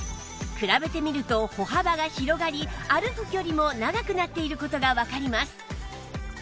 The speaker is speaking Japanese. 比べてみると歩幅が広がり歩く距離も長くなっている事がわかります